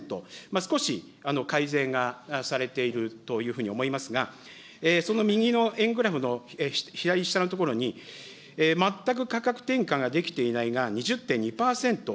少し改善がされているというふうに思いますが、その右の円グラフの左下の所に、全く価格転嫁ができていないが２０．２％。